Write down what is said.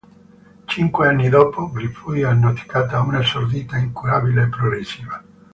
Cinque anni dopo, gli fu diagnosticata una sordità incurabile e progressiva.